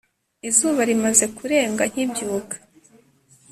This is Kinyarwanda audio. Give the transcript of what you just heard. Izuba rimaze kurenga nkibyuka